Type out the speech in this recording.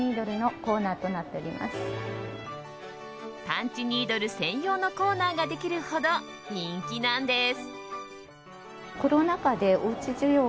パンチニードル専用のコーナーができるほど人気なんです。